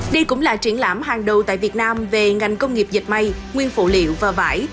đây cũng là triển lãm hàng đầu tại việt nam về ngành công nghiệp dịch may nguyên phụ liệu và vải